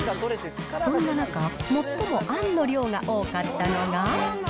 そんな中、最もあんの量が多かったのが。